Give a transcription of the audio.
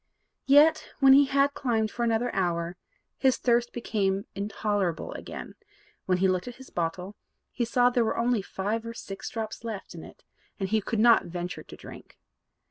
Yet, when he had climbed for another hour, his thirst became intolerable again; and, when he looked at his bottle, he saw that there were only five or six drops left in it, and he could not venture to drink.